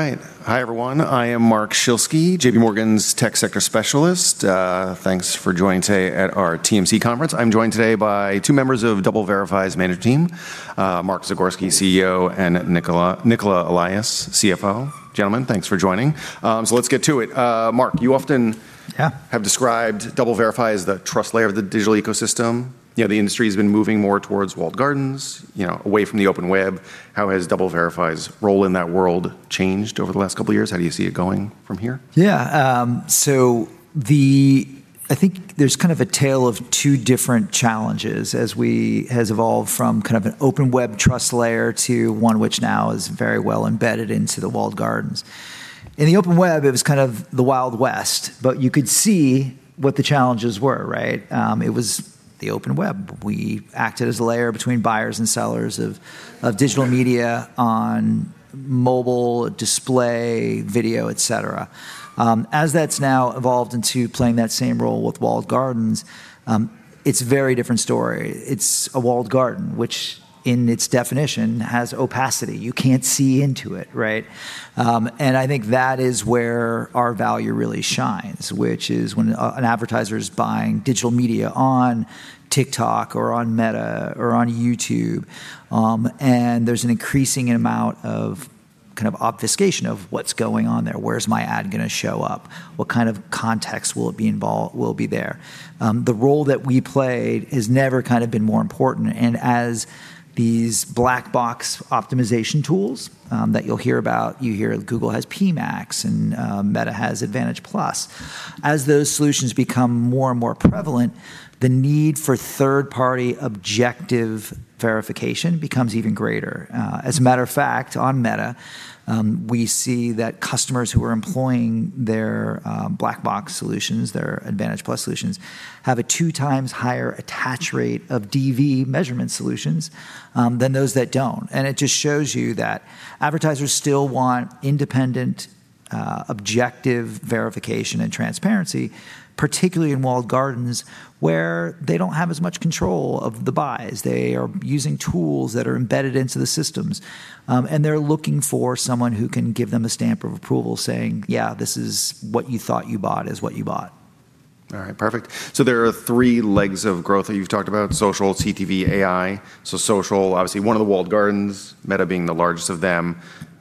All right. Hi, everyone. I am Mark Schilsky, JPMorgan's tech sector specialist. Thanks for joining today at our TMC conference. I'm joined today by two members of DoubleVerify's management team, Mark Zagorski, CEO, and Nicola Allais, CFO. Gentlemen, thanks for joining. Let's get to it. Mark, you often have described DoubleVerify as the trust layer of the digital ecosystem. You know, the industry's been moving more towards walled gardens, you know, away from the open web. How has DoubleVerify's role in that world changed over the last two years? How do you see it going from here? Yeah. I think there's kind of a tale of two different challenges as we has evolved from kind of an open web trust layer to one which now is very well embedded into the walled gardens. In the open web, it was kind of the Wild West, but you could see what the challenges were, right? It was the open web. We acted as a layer between buyers and sellers of digital media on mobile display, video, etc. As that's now evolved into playing that same role with walled gardens, it's a very different story. It's a walled garden, which in its definition has opacity. You can't see into it, right? I think that is where our value really shines, which is when an advertiser is buying digital media on TikTok or on Meta or on YouTube, there's an increasing amount of kind of obfuscation of what's going on there. Where's my ad gonna show up? What kind of context will it be there? The role that we play has never kind of been more important. As these black box optimization tools, that you'll hear about, you hear Google has PMax and Meta has Advantage+. As those solutions become more and more prevalent, the need for third-party objective verification becomes even greater. As a matter of fact, on Meta, we see that customers who are employing their black box solutions, their Advantage+ solutions, have a 2x higher attach rate of DV measurement solutions than those that don't. It just shows you that advertisers still want independent, objective verification and transparency, particularly in walled gardens where they don't have as much control of the buys. They are using tools that are embedded into the systems, and they're looking for someone who can give them a stamp of approval saying, yeah, this is what you thought you bought is what you bought. All right, perfect. There are three legs of growth that you've talked about: social, CTV, AI.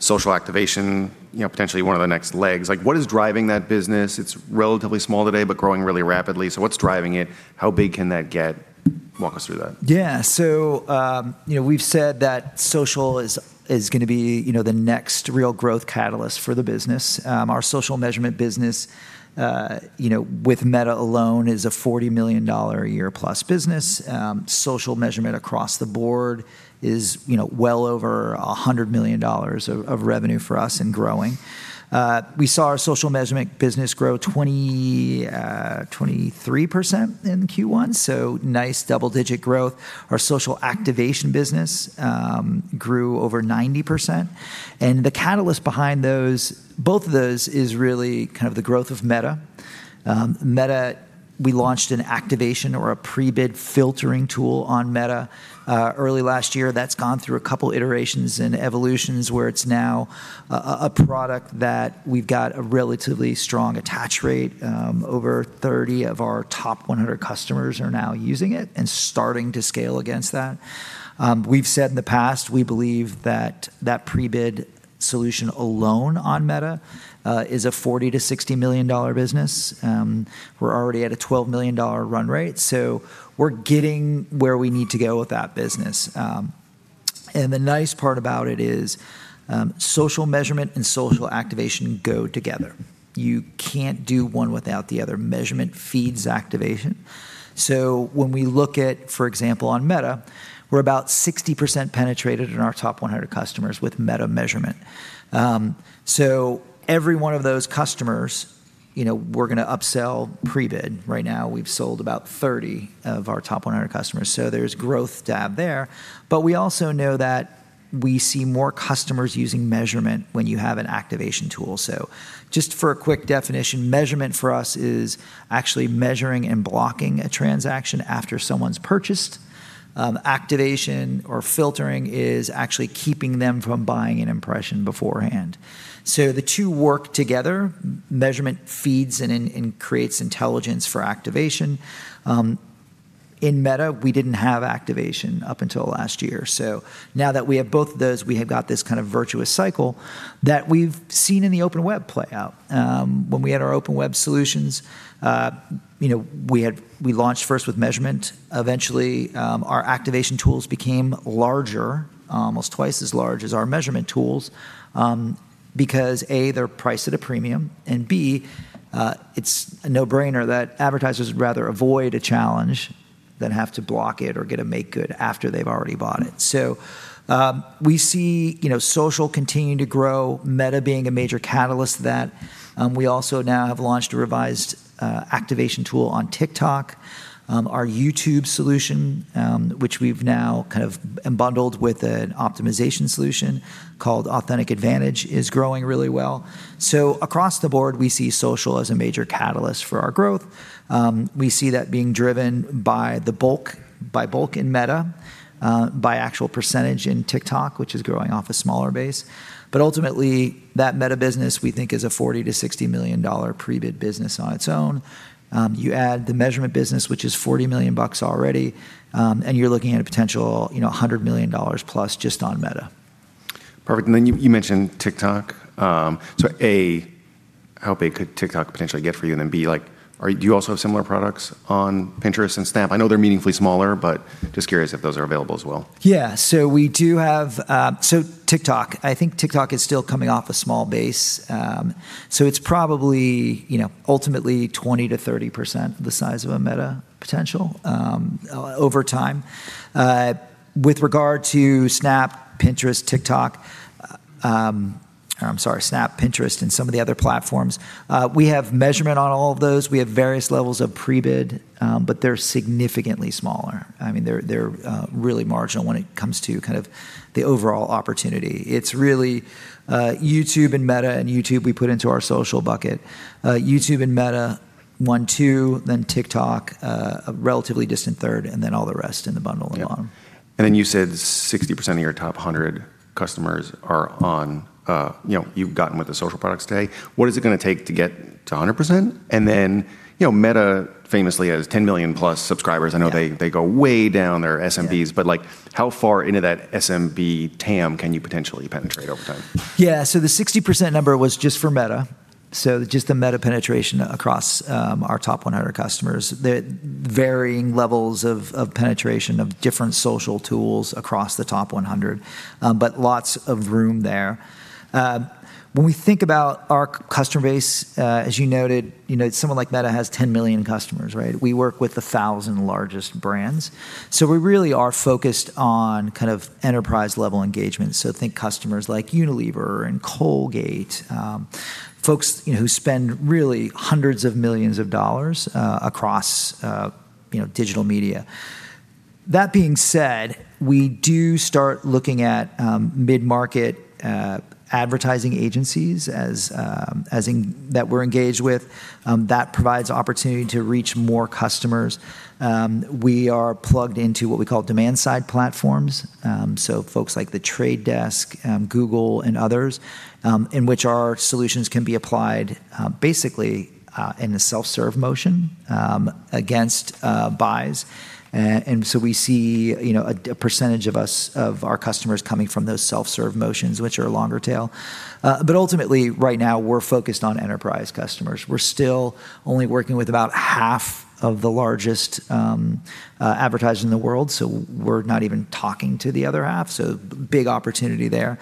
Social activation, you know, potentially one of the next legs. Like what is driving that business? It's relatively small today, but growing really rapidly. What's driving it? How big can that get? Walk us through that. You know, we've said that social is gonna be, you know, the next real growth catalyst for the business. Our social measurement business, you know, with Meta alone is a $40 million a year-plus business. Social measurement across the board is, you know, well over $100 million of revenue for us and growing. We saw our social measurement business grow 23% in Q1, so nice double-digit growth. Our social activation business grew over 90%. The catalyst behind both of those is really kind of the growth of Meta. Meta, we launched an activation or a pre-bid filtering tool on Meta early last year. That's gone through a couple iterations and evolutions where it's now a product that we've got a relatively strong attach rate. Over 30 of our top 100 customers are now using it and starting to scale against that. We've said in the past, we believe that that pre-bid solution alone on Meta is a $40 million-$60 million business. We're already at a $12 million run rate, so we're getting where we need to go with that business. And the nice part about it is, social measurement and social activation go together. You can't do one without the other. Measurement feeds activation. When we look at, for example, on Meta, we're about 60% penetrated in our top 100 customers with Meta measurement. Every one of those customers, you know, we're gonna upsell pre-bid. Right now, we've sold about 30 of our top 100 customers, so there's growth to have there. We also know that we see more customers using measurement when you have an activation tool. Just for a quick definition, measurement for us is actually measuring and blocking a transaction after someone's purchased. Activation or filtering is actually keeping them from buying an impression beforehand. The two work together. Measurement feeds and creates intelligence for activation. In Meta, we didn't have activation up until last year. Now that we have both of those, we have got this kind of virtuous cycle that we've seen in the open web play out. When we had our open web solutions, you know, we launched first with measurement. Eventually, our activation tools became larger, almost twice as large as our measurement tools, because A, they're priced at a premium, and B, it's a no-brainer that advertisers would rather avoid a challenge than have to block it or get a make good after they've already bought it. We see, you know, social continuing to grow, Meta being a major catalyst to that. We also now have launched a revised activation tool on TikTok. Our YouTube solution, which we've now kind of bundled with an optimization solution called Authentic AdVantage, is growing really well. Across the board, we see social as a major catalyst for our growth. We see that being driven by the bulk in Meta, by actual percentage in TikTok, which is growing off a smaller base. Ultimately, that Meta business, we think, is a $40 million-$60 million pre-bid business on its own. You add the measurement business, which is $40 million already, and you're looking at a potential, you know, $100 million+ just on Meta. Perfect. You mentioned TikTok. A, how big could TikTok potentially get for you? B, like, do you also have similar products on Pinterest and Snap? Just curious if those are available as well. We do have, TikTok, I think TikTok is still coming off a small base. It's probably ultimately 20%-30% the size of a Meta potential over time. With regard to Snap, Pinterest, TikTok, or I'm sorry, Snap, Pinterest, and some of the other platforms, we have measurement on all of those. We have various levels of pre-bid, but they're significantly smaller. They're really marginal when it comes to kind of the overall opportunity. It's really YouTube and Meta, and YouTube we put into our social bucket. YouTube and Meta one, two, then TikTok, a relatively distant third, and then all the rest in the bundle at bottom. Yep. You said 60% of your top 100 customers are on, you know, you've gotten with the social products today. What is it gonna take to get to 100%? You know, Meta famously has 10 million+ subscribers. I know they go way down their SMBs. Like, how far into that SMB TAM can you potentially penetrate over time? Yeah. The 60% number was just for Meta, just the Meta penetration across our top 100 customers. The varying levels of penetration of different social tools across the top 100, lots of room there. When we think about our customer base, as you noted, you know, someone like Meta has 10 million customers, right? We work with the 1,000 largest brands. We really are focused on kind of enterprise-level engagement, so think customers like Unilever and Colgate-Palmolive, folks, you know, who spend really hundreds of millions of dollars across, you know, digital media. That being said, we do start looking at mid-market advertising agencies as that we're engaged with, that provides opportunity to reach more customers. We are plugged into what we call Demand-Side Platforms, so folks like The Trade Desk, Google and others, in which our solutions can be applied, basically, in a self-serve motion, against buys. We see, you know, a percentage of our customers coming from those self-serve motions, which are a longer tail. Ultimately right now we're focused on enterprise customers. We're still only working with about half of the largest advertisers in the world, we're not even talking to the other half, big opportunity there.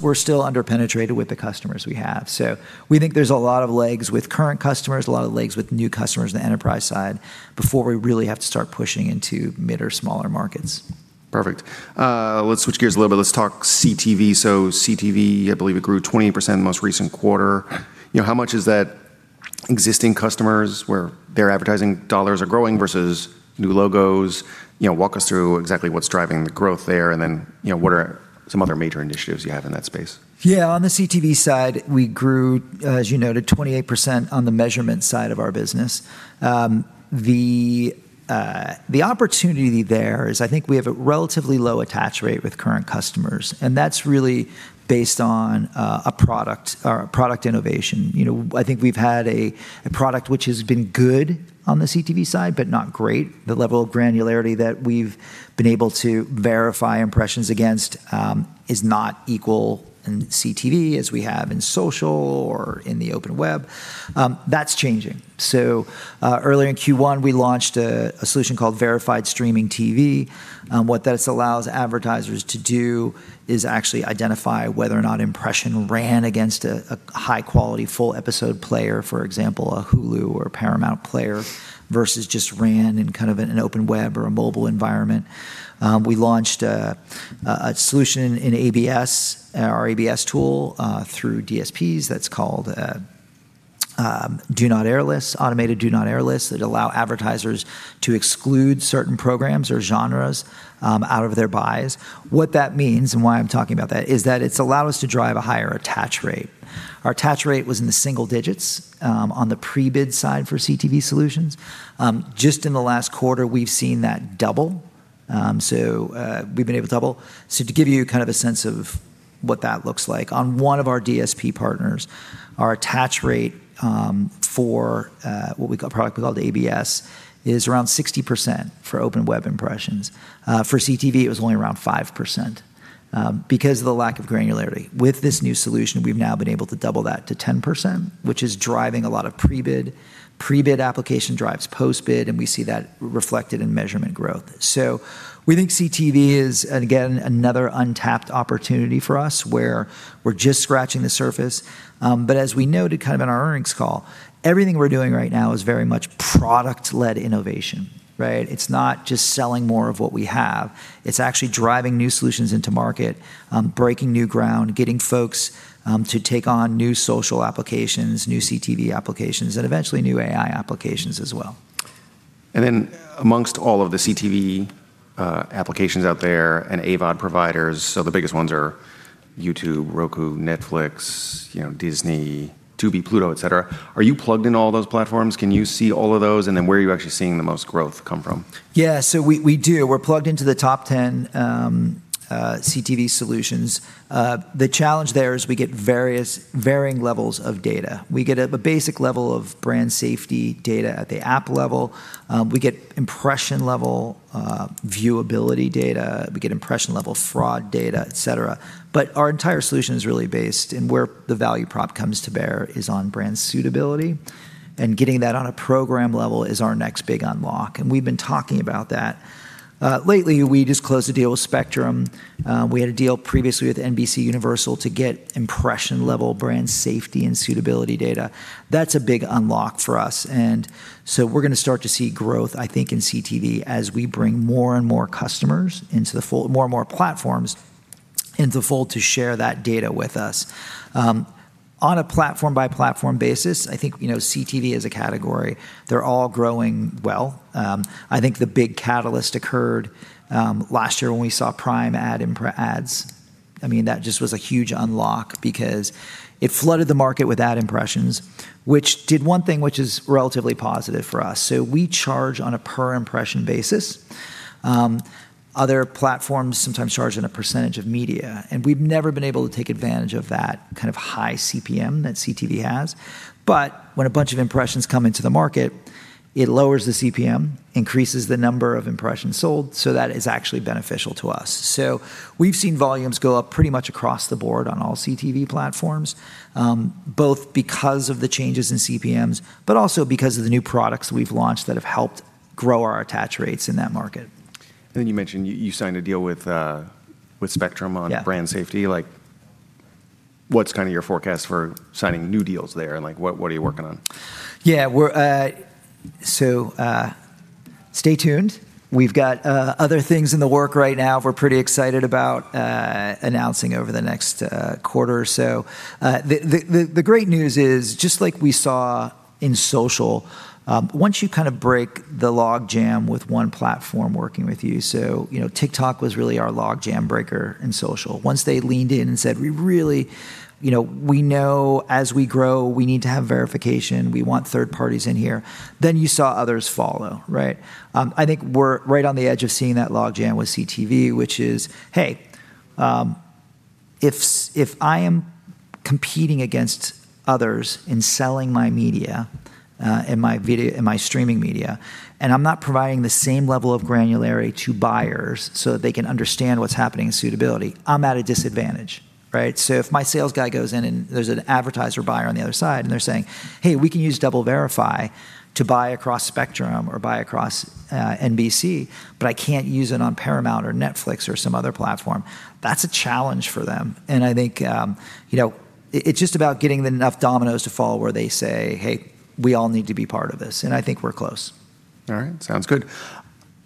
We're still under-penetrated with the customers we have. We think there's a lot of legs with current customers, a lot of legs with new customers on the enterprise side before we really have to start pushing into mid or smaller markets. Perfect. Let's switch gears a little bit. Let's talk CTV. CTV, I believe it grew 20% in the most recent quarter. You know, how much is that existing customers where their advertising dollars are growing versus new logos? You know, walk us through exactly what's driving the growth there, and then, you know, what are some other major initiatives you have in that space? Yeah. On the CTV side, we grew, as you noted, 28% on the measurement side of our business. The opportunity there is I think we have a relatively low attach rate with current customers, and that's really based on a product or a product innovation. You know, I think we've had a product which has been good on the CTV side, but not great. The level of granularity that we've been able to verify impressions against is not equal in CTV as we have in social or in the open web. That's changing. Earlier in Q1, we launched a solution called Verified Streaming TV. What this allows advertisers to do is actually identify whether or not impression ran against a high-quality full-episode player, for example, a Hulu or Paramount player, versus just ran in kind of an open web or a mobile environment. We launched a solution in ABS, our ABS tool, through DSPs that's called automated do not air lists that allow advertisers to exclude certain programs or genres out of their buys. What that means, and why I'm talking about that, is that it's allowed us to drive a higher attach rate. Our attach rate was in the single digits on the pre-bid side for CTV solutions. Just in the last quarter, we've seen that double. We've been able to double. To give you kind of a sense of what that looks like, on one of our DSP partners, our attach rate, for what we call, product we call the ABS, is around 60% for open web impressions. For CTV, it was only around 5% because of the lack of granularity. With this new solution, we've now been able to double that to 10%, which is driving a lot of pre-bid. Pre-bid application drives post-bid, and we see that reflected in measurement growth. We think CTV is, again, another untapped opportunity for us, where we're just scratching the surface. As we noted kind of in our earnings call, everything we're doing right now is very much product-led innovation, right? It's not just selling more of what we have. It's actually driving new solutions into market, breaking new ground, getting folks to take on new social applications, new CTV applications, and eventually new AI applications as well. Amongst all of the CTV applications out there and AVOD providers, so the biggest ones are YouTube, Roku, Netflix, you know, Disney, Tubi, Pluto, etc., are you plugged into all those platforms? Can you see all of those? Where are you actually seeing the most growth come from? We do. We're plugged into the top 10 CTV solutions. The challenge there is we get varying levels of data. We get a basic level of brand safety data at the app level. We get impression-level viewability data. We get impression-level fraud data, etc. Our entire solution is really based, and where the value prop comes to bear, is on brand suitability, and getting that on a program level is our next big unlock, and we've been talking about that. Lately, we just closed a deal with Spectrum. We had a deal previously with NBCUniversal to get impression-level brand safety and suitability data. That's a big unlock for us, and so we're gonna start to see growth, I think, in CTV as we bring more and more platforms into the fold to share that data with us. On a platform-by-platform basis, I think, you know, CTV as a category, they're all growing well. I think the big catalyst occurred last year when we saw Prime ads. I mean, that just was a huge unlock because it flooded the market with ad impressions, which did 1 thing which is relatively positive for us. We charge on a per impression basis. Other platforms sometimes charge on a percentage of media, and we've never been able to take advantage of that kind of high CPM that CTV has. When a bunch of impressions come into the market, it lowers the CPM, increases the number of impressions sold, so that is actually beneficial to us. We've seen volumes go up pretty much across the board on all CTV platforms, both because of the changes in CPMs, but also because of the new products we've launched that have helped grow our attach rates in that market. You mentioned you signed a deal with Spectrum on brand safety. Like, what's kinda your forecast for signing new deals there? Like, what are you working on? Yeah. We're stay tuned. We've got other things in the work right now we're pretty excited about announcing over the next quarter or so. The great news is, just like we saw in social, once you kind of break the logjam with one platform working with you, so, you know, TikTok was really our logjam breaker in social. Once they leaned in and said, you know, we know as we grow, we need to have verification. We want third parties in here, you saw others follow, right? I think we're right on the edge of seeing that logjam with CTV, which is, hey, if I am competing against others in selling my media, and my streaming media, and I'm not providing the same level of granularity to buyers so that they can understand what's happening in suitability, I'm at a disadvantage, right? If my sales guy goes in and there's an advertiser buyer on the other side, and they're saying, Hey, we can use DoubleVerify to buy across Spectrum or buy across NBC, but I can't use it on Paramount or Netflix or some other platform, that's a challenge for them. I think, you know, it's just about getting enough dominoes to fall where they say, Hey, we all need to be part of this, I think we're close. All right. Sounds good.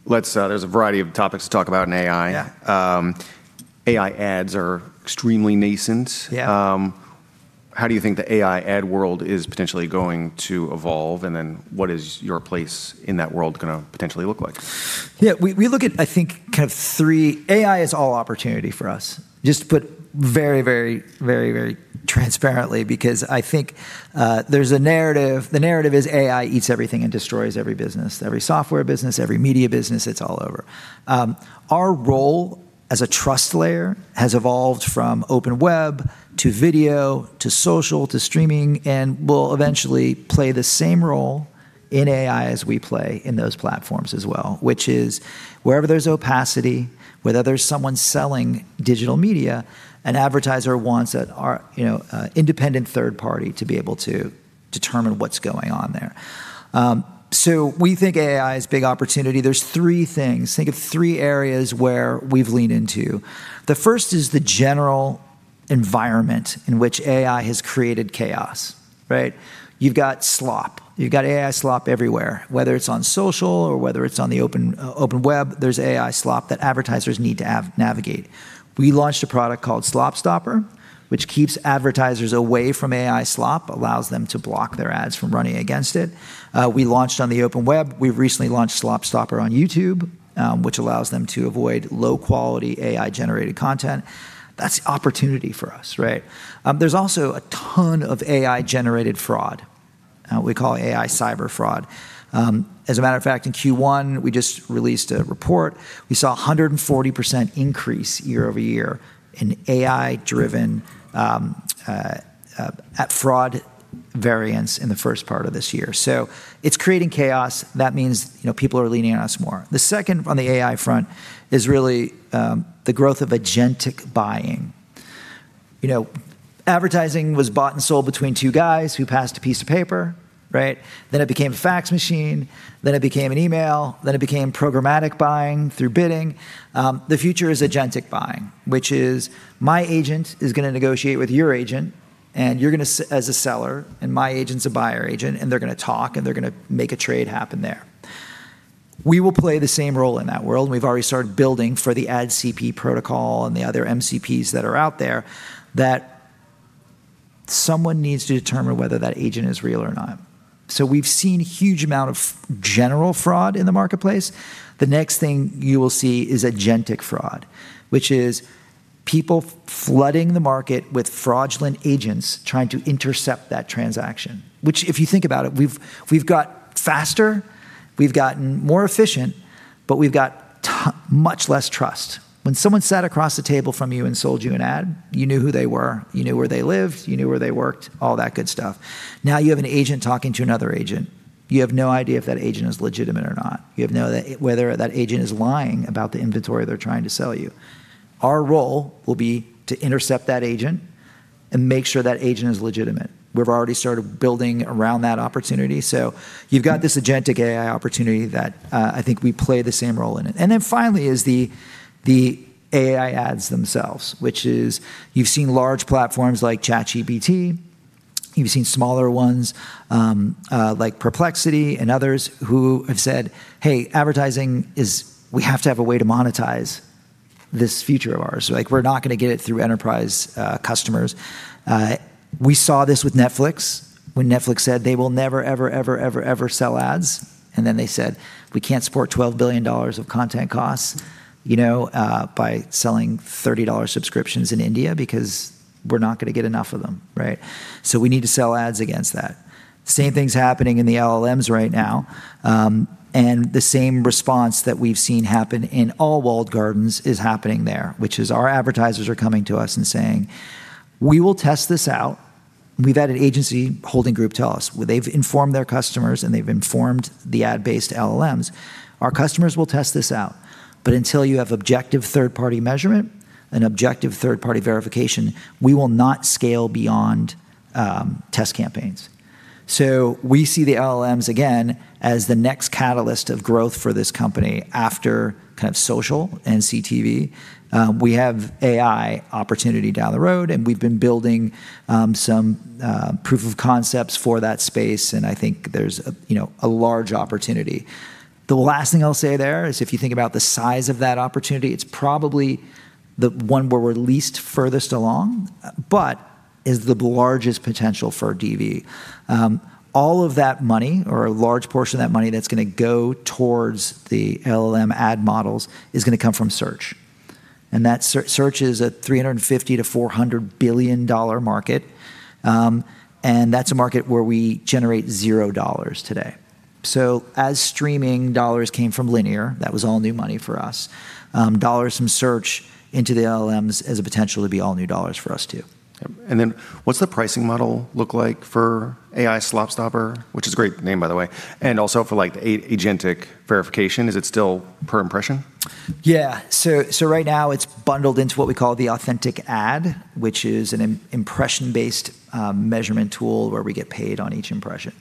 There's a variety of topics to talk about in AI. Yeah. AI ads are extremely nascent. Yeah. How do you think the AI ad world is potentially going to evolve, and then what is your place in that world gonna potentially look like? Yeah. We look at, I think, kind of three. AI is all opportunity for us, just to put very, very, very, very transparently because I think, there's a narrative. The narrative is AI eats everything and destroys every business, every software business, every media business. It's all over. Our role as a trust layer has evolved from open web to video to social to streaming, and will eventually play the same role in AI as we play in those platforms as well, which is wherever there's opacity, whether there's someone selling digital media, an advertiser wants, you know, a independent third party to be able to determine what's going on there. We think AI is big opportunity. There's three things. Think of three areas where we've leaned into. The first is the general environment in which AI has created chaos, right? You've got slop. You've got AI slop everywhere. Whether it's on social or whether it's on the open web, there's AI slop that advertisers need to navigate. We launched a product called Slopstopper, which keeps advertisers away from AI slop, allows them to block their ads from running against it. We launched on the open web. We've recently launched Slopstopper on YouTube, which allows them to avoid low-quality AI-generated content. That's opportunity for us, right? There's also a ton of AI-generated fraud. We call it AI cyber fraud. As a matter of fact, in Q1, we just released a report. We saw a 140% increase year-over-year in AI-driven fraud variance in the first part of this year. It's creating chaos. That means, you know, people are leaning on us more. The second on the AI front is really, the growth of agentic buying. You know, advertising was bought and sold between two guys who passed a piece of paper, right? Then it became a fax machine, then it became an email, then it became programmatic buying through bidding. The future is agentic buying, which is my agent is gonna negotiate with your agent, and you're gonna as a seller, and my agent's a buyer agent, and they're gonna talk, and they're gonna make a trade happen there. We will play the same role in that world. We've already started building for the Ad CP protocol and the other MCPs that are out there, that someone needs to determine whether that agent is real or not. We've seen huge amount of general fraud in the marketplace. The next thing you will see is agentic fraud, which is, people flooding the market with fraudulent agents trying to intercept that transaction. If you think about it, we've got faster, we've gotten more efficient, but we've got much less trust. When someone sat across the table from you and sold you an ad, you knew who they were, you knew where they lived, you knew where they worked, all that good stuff. Now you have an agent talking to another agent. You have no idea if that agent is legitimate or not. You have no whether that agent is lying about the inventory they're trying to sell you. Our role will be to intercept that agent and make sure that agent is legitimate. We've already started building around that opportunity. You've got this agentic AI opportunity that I think we play the same role in it. Finally is the AI ads themselves, which is you've seen large platforms like ChatGPT, you've seen smaller ones, like Perplexity and others who have said, "Hey, advertising, we have to have a way to monetize this future of ours. We're not gonna get it through enterprise customers. We saw this with Netflix when Netflix said they will never ever sell ads. They said, we can't support $12 billion of content costs, you know, by selling $30 subscriptions in India because we're not gonna get enough of them, right? We need to sell ads against that. Same thing's happening in the LLMs right now. The same response that we've seen happen in all walled gardens is happening there, which is our advertisers are coming to us and saying, we will test this out." We've had an agency holding group tell us where they've informed their customers, and they've informed the ad-based LLMs, our customers will test this out. Until you have objective third-party measurement and objective third-party verification, we will not scale beyond test campaigns. We see the LLMs again as the next catalyst of growth for this company after kind of social and CTV. We have AI opportunity down the road, and we've been building some proof of concepts for that space, and I think there's a, you know, a large opportunity. The last thing I'll say there is if you think about the size of that opportunity, it's probably the one where we're least furthest along, but is the largest potential for DV. All of that money or a large portion of that money that's gonna go towards the LLM ad models is gonna come from search. That search is a $350 billion-$400 billion market, and that's a market where we generate $0 today. As streaming dollars came from linear, that was all new money for us, dollars from search into the LLMs has the potential to be all new dollars for us too. What's the pricing model look like for AI SlopStopper? Which is a great name, by the way. For, like, agentic verification. Is it still per impression? Yeah. Right now it's bundled into what we call the Authentic Ad, which is an impression-based measurement tool where we get paid on each impression.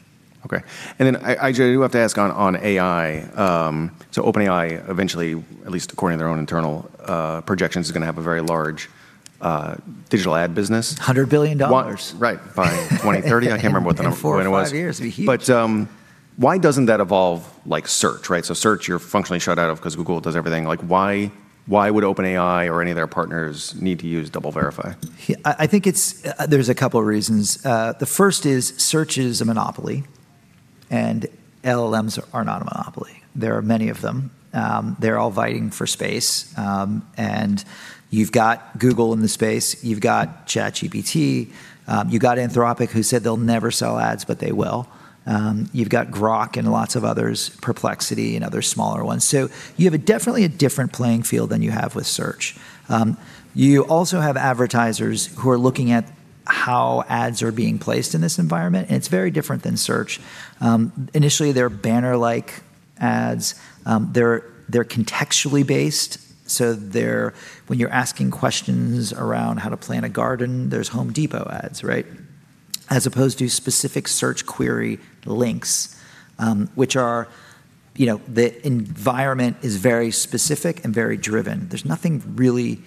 Okay. I do have to ask on AI. OpenAI eventually, at least according to their own internal projections, is gonna have a very large digital ad business. $100 billion. Right. By 2030. I can't remember what the when it was. Four, five years. It'll be huge. Why doesn't that evolve like search, right? Search you're functionally shut out of 'cause Google does everything. Like why would OpenAI or any of their partners need to use DoubleVerify? I think it's there's a couple of reasons. The first is search is a monopoly, LLMs are not a monopoly. There are many of them. They're all vying for space. You've got Google in the space, you've got ChatGPT, you got Anthropic who said they'll never sell ads, but they will. You've got Grok and lots of others, Perplexity and other smaller ones. You have a definitely a different playing field than you have with search. You also have advertisers who are looking at how ads are being placed in this environment, it's very different than search. Initially they're banner-like ads. They're contextually based, when you're asking questions around how to plant a garden, there's Home Depot ads, right? As opposed to specific search query links, which are, you know, the environment is very specific and very driven. There's nothing really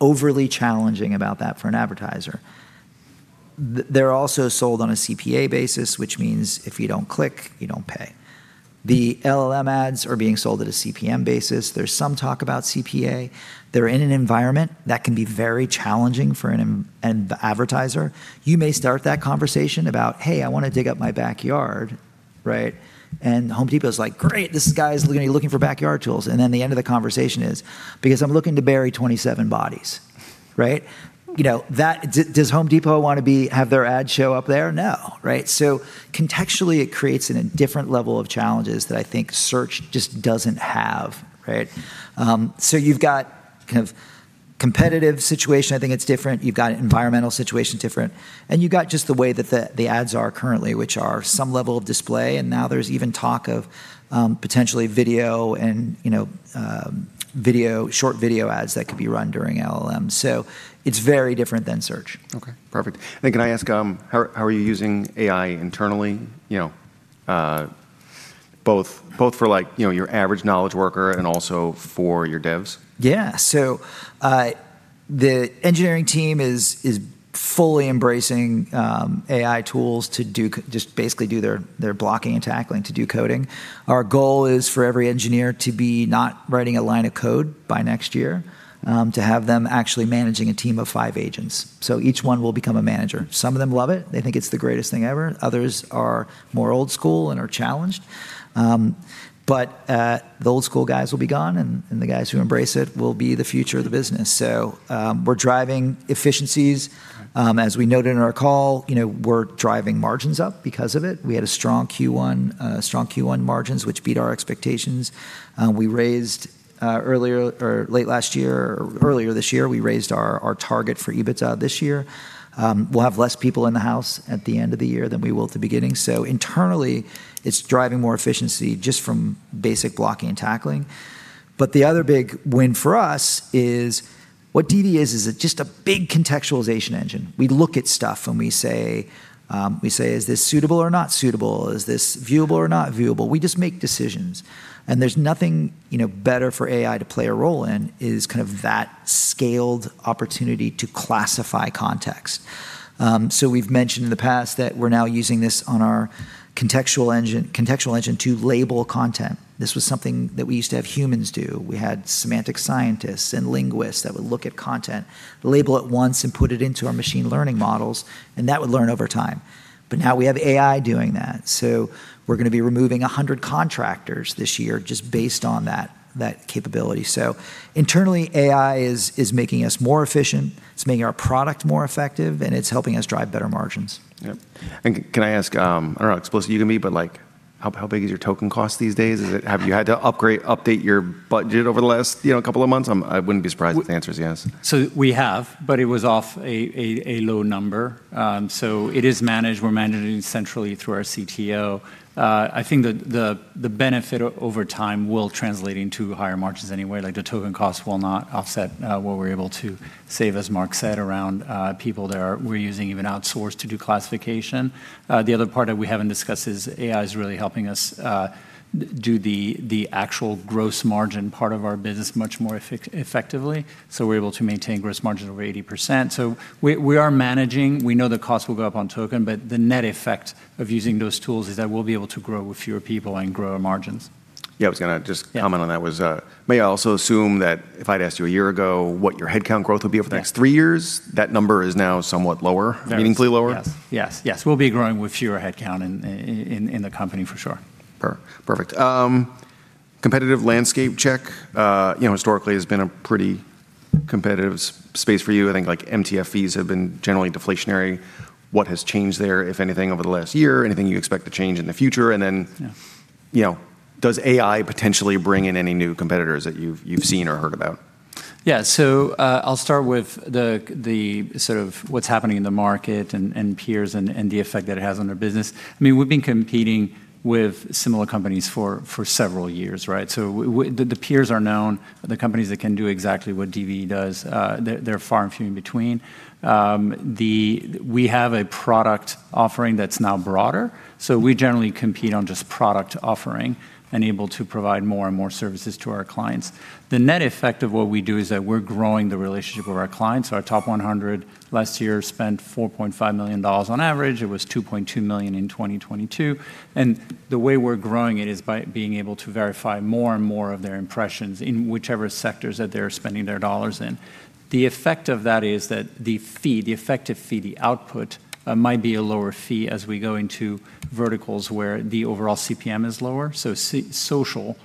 overly challenging about that for an advertiser. They're also sold on a CPA basis, which means if you don't click, you don't pay. The LLM ads are being sold at a CPM basis. There's some talk about CPA. They're in an environment that can be very challenging for an advertiser. You may start that conversation about, Hey, I wanna dig up my backyard, right? The Home Depot's like, great. This guy's gonna be looking for backyard tools. Then the end of the conversation is, because I'm looking to bury 27 bodies, right? You know, Does The Home Depot wanna have their ad show up there? No, right? Contextually it creates a different level of challenges that I think search just doesn't have, right? You've got kind of competitive situation, I think it's different. You've got environmental situation different. You got just the way that the ads are currently, which are some level of display, and now there's even talk of potentially short video ads that could be run during LLM. It's very different than search. Okay. Perfect. Can I ask, how are you using AI internally? You know, both for like, you know, your average knowledge worker and also for your devs? Yeah. The engineering team is fully embracing AI tools to just basically do their blocking and tackling to do coding. Our goal is for every engineer to be not writing a line of code by next year, to have them actually managing a team of five agents. Each one will become a manager. Some of them love it. They think it's the greatest thing ever. Others are more old school and are challenged. The old school guys will be gone and the guys who embrace it will be the future of the business. We're driving efficiencies. As we noted in our call, you know, we're driving margins up because of it. We had a strong Q1, strong Q1 margins which beat our expectations. We raised earlier or late last year or earlier this year, we raised our target for EBITDA this year. We'll have less people in the house at the end of the year than we will at the beginning. Internally, it's driving more efficiency just from basic blocking and tackling. The other big win for us is what DV is just a big contextualization engine. We look at stuff and we say, is this suitable or not suitable? Is this viewable or not viewable? We just make decisions, and there's nothing, you know, better for AI to play a role in, is kind of that scaled opportunity to classify context. We've mentioned in the past that we're now using this on our contextual engine to label content. This was something that we used to have humans do. We had semantic scientists and linguists that would look at content, label it once, and put it into our machine learning models, and that would learn over time. Now we have AI doing that, so we're gonna be removing 100 contractors this year just based on that capability. Internally, AI is making us more efficient, it's making our product more effective, and it's helping us drive better margins. Yep. Can I ask, I don't know how explicit you can be, but, like, how big is your token cost these days? Have you had to upgrade, update your budget over the last, you know, couple of months? I wouldn't be surprised if the answer is yes. We have, but it was off a low number. It is managed. We're managing centrally through our CTO. I think the benefit over time will translate into higher margins anyway. Like, the token cost will not offset what we're able to save, as Mark said, around people that we're using even outsourced to do classification. The other part that we haven't discussed is AI is really helping us do the actual gross margin part of our business much more effectively, so we're able to maintain gross margin over 80%. We are managing. We know the cost will go up on token, but the net effect of using those tools is that we'll be able to grow with fewer people and grow our margins. Comment on that was, may I also assume that if I'd asked you a year ago what your headcount growth would be over the next three years? Yeah That number is now somewhat lower? Very. Meaningfully lower? Yes. Yes. Yes. We'll be growing with fewer headcount in the company for sure. Perfect. Competitive landscape check. You know, historically has been a pretty competitive space for you. I think, like, MTF fees have been generally deflationary. What has changed there, if anything, over the last year? Anything you expect to change in the future? Yeah. You know, does AI potentially bring in any new competitors that you've seen or heard about? I'll start with the sort of what's happening in the market and peers and the effect that it has on their business. I mean, we've been competing with similar companies for several years, right? The, the peers are known. The companies that can do exactly what DV does, they're far and few in between. We have a product offering that's now broader, so we generally compete on just product offering and able to provide more and more services to our clients. The net effect of what we do is that we're growing the relationship with our clients. Our top 100 last year spent $4.5 million on average. It was $2.2 million in 2022. The way we're growing it is by being able to verify more and more of their impressions in whichever sectors that they're spending their dollars in. The effect of that is that the fee, the effective fee, the output, might be a lower fee as we go into verticals where the overall CPM is lower. Social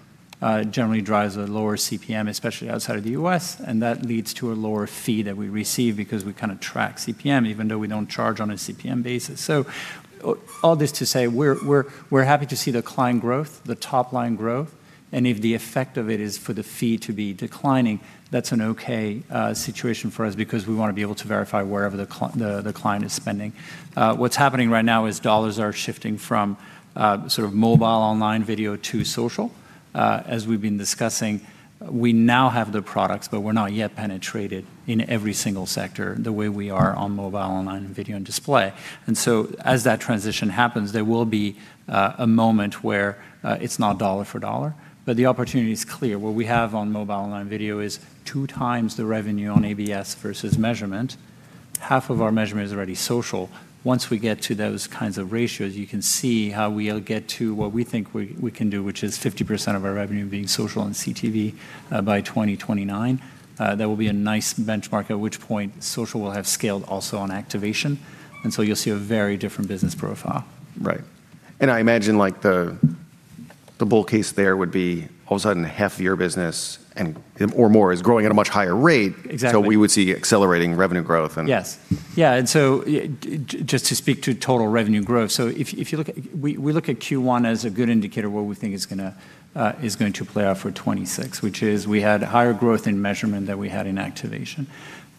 generally drives a lower CPM, especially outside of the U.S., and that leads to a lower fee that we receive because we kinda track CPM even though we don't charge on a CPM basis. All this to say, we're happy to see the client growth, the top-line growth, and if the effect of it is for the fee to be declining, that's an okay situation for us because we wanna be able to verify wherever the client is spending. What's happening right now is dollars are shifting from sort of mobile online video to social. As we've been discussing, we now have the products, but we're not yet penetrated in every single sector the way we are on mobile, online, and video and display. As that transition happens, there will be a moment where it's not dollar for dollar. The opportunity is clear. What we have on mobile, online video is 2x the revenue on ABS versus measurement. Half of our measurement is already social. Once we get to those kinds of ratios, you can see how we'll get to what we think we can do, which is 50% of our revenue being social and CTV by 2029. That will be a nice benchmark at which point social will have scaled also on activation. You'll see a very different business profile. Right. I imagine, like, the bull case there would be all of a sudden half of your business or more is growing at a much higher rate. Exactly. We would see accelerating revenue growth. Yes. Yeah. Just to speak to total revenue growth, we look at Q1 as a good indicator of what we think is going to play out for 2026, which is we had higher growth in measurement than we had in activation.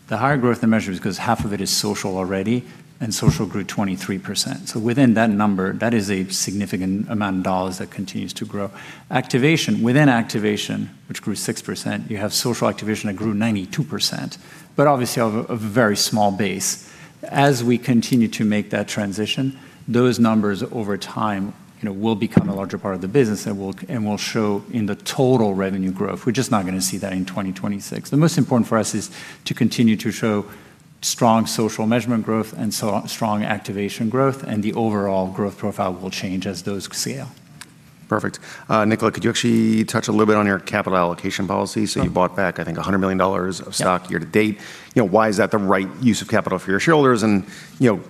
The higher growth in measurement is because half of it is social already, and social grew 23%. Within that number, that is a significant amount of dollars that continues to grow. Activation, within activation, which grew 6%, you have social activation that grew 92%, but obviously of a very small base. As we continue to make that transition, those numbers over time, you know, will become a larger part of the business and will show in the total revenue growth. We're just not gonna see that in 2026. The most important for us is to continue to show. Strong social measurement growth and strong activation growth, and the overall growth profile will change as those scale. Perfect. Nicola, could you actually touch a little bit on your capital allocation policy? Sure. You bought back, I think, $100 million of stock year to date. You know, why is that the right use of capital for your shareholders? You know,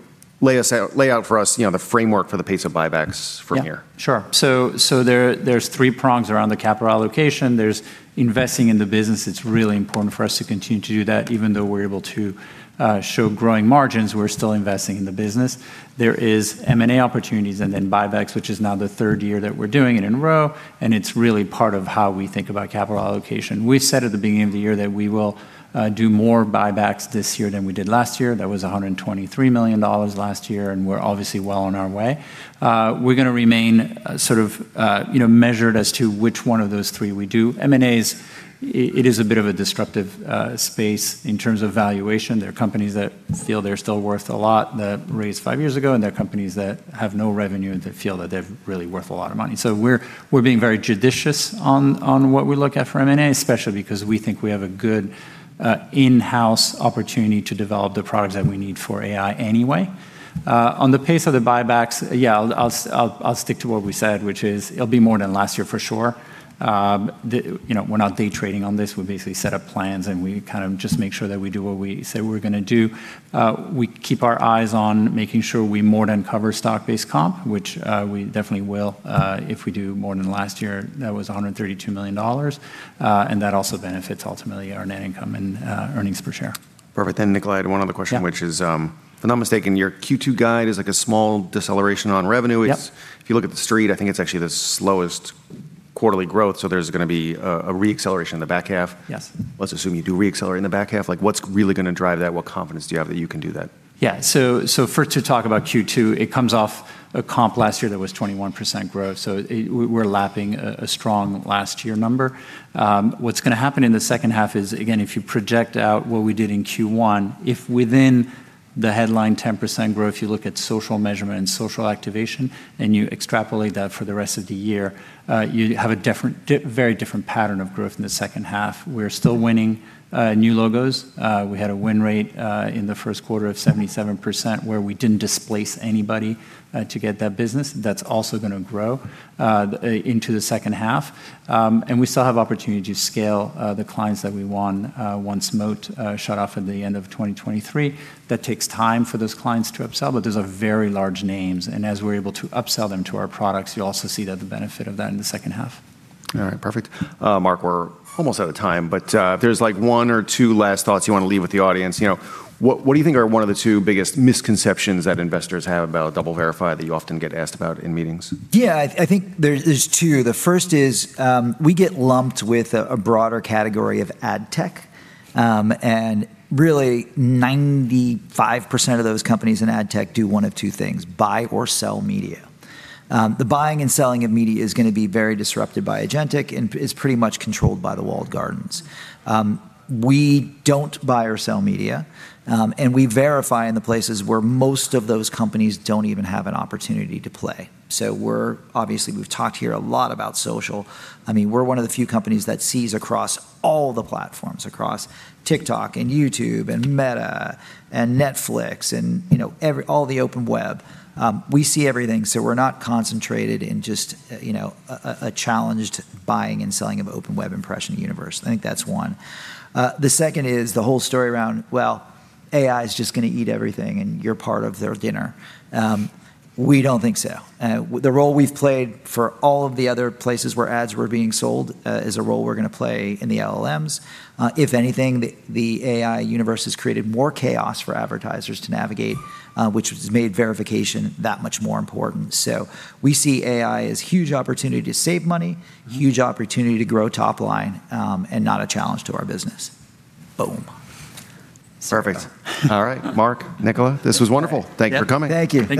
lay out for us, you know, the framework for the pace of buybacks from here. Yeah, sure. There's three prongs around the capital allocation. There's investing in the business, it's really important for us to continue to do that. Even though we're able to show growing margins, we're still investing in the business. There is M&A opportunities and then buybacks, which is now the third year that we're doing it in a row, and it's really part of how we think about capital allocation. We said at the beginning of the year that we will do more buybacks this year than we did last year. That was $123 million last year, we're obviously well on our way. We're gonna remain sort of, you know, measured as to which one of those three we do. M&As, it is a bit of a disruptive space in terms of valuation. There are companies that feel they're still worth a lot that raised five years ago, and there are companies that have no revenue and they feel that they're really worth a lot of money. We're being very judicious on what we look at for M&A, especially because we think we have a good in-house opportunity to develop the products that we need for AI anyway. On the pace of the buybacks, yeah, I'll stick to what we said, which is it'll be more than last year for sure. The, you know, we're not day trading on this. We basically set up plans, and we kind of just make sure that we do what we say we're gonna do. We keep our eyes on making sure we more than cover stock-based comp, which we definitely will. If we do more than last year, that was $132 million. That also benefits ultimately our net income and earnings per share. Perfect. Nicola, I had one other question. Yeah. which is, if I'm not mistaken, your Q2 guide is like a small deceleration on revenue. Yep. If you look at the street, I think it's actually the slowest quarterly growth, so there's gonna be a re-acceleration in the back half. Yes. Let's assume you do re-accelerate in the back half, like, what's really gonna drive that? What confidence do you have that you can do that? Yeah. First to talk about Q2, it comes off a comp last year that was 21% growth, we're lapping a strong last year number. What's gonna happen in the second half is, again, if you project out what we did in Q1, if within the headline 10% growth, you look at social measurement and social activation, and you extrapolate that for the rest of the year, you have a very different pattern of growth in the second half. We're still winning new logos. We had a win rate in the first quarter of 77%, where we didn't displace anybody to get that business. That's also gonna grow into the second half. We still have opportunity to scale the clients that we won once Moat shut off at the end of 2023. That takes time for those clients to upsell, but those are very large names, and as we're able to upsell them to our products, you'll also see the benefit of that in the second half. All right, perfect. Mark, we're almost out of time, but, if there's like one or two last thoughts you want to leave with the audience, you know, what do you think are one of the two biggest misconceptions that investors have about DoubleVerify that you often get asked about in meetings? I think there's two. The first is, we get lumped with a broader category of ad tech, and really 95% of those companies in ad tech do one of two things, buy or sell media. The buying and selling of media is gonna be very disrupted by agentic and is pretty much controlled by the walled gardens. We don't buy or sell media, and we verify in the places where most of those companies don't even have an opportunity to play. Obviously we've talked here a lot about social. I mean, we're one of the few companies that sees across all the platforms, across TikTok and YouTube and Meta and Netflix and, you know, all the open web. We see everything, so we're not concentrated in just, you know, a challenged buying and selling of open web impression universe. I think that's one. The second is the whole story around, well, AI is just gonna eat everything, and you're part of their dinner. We don't think so. The role we've played for all of the other places where ads were being sold, is a role we're gonna play in the LLMs. If anything, the AI universe has created more chaos for advertisers to navigate, which has made verification that much more important. We see AI as huge opportunity to save money, huge opportunity to grow top line, and not a challenge to our business. Boom. Perfect. All right. Mark, Nicola, this was wonderful. Thank you for coming. Thank you.